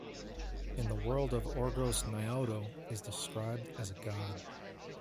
In the world of Orgos Naoto is described as a "God".